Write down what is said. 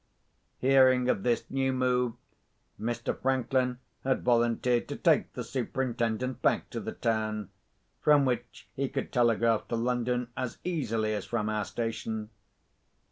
Hearing of this new move, Mr. Franklin had volunteered to take the Superintendent back to the town, from which he could telegraph to London as easily as from our station.